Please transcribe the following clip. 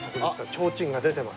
ちょうちんが出てます。